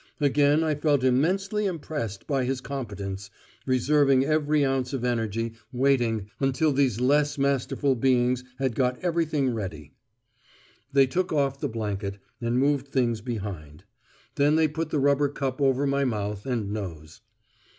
Again I felt immensely impressed by his competence, reserving every ounce of energy, waiting, until these less masterful beings had got everything ready. They took off the blanket, and moved things behind. Then they put the rubber cup over my mouth and nose.